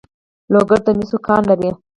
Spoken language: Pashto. لوګر د مسو کان لري